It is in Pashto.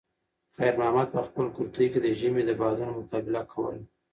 خیر محمد په خپل کورتۍ کې د ژمي د بادونو مقابله کوله.